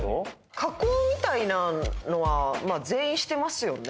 加工みたいなのはまあ全員してますよね